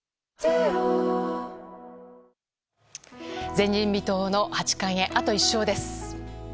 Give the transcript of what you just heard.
前人未到の八冠へあと１勝です。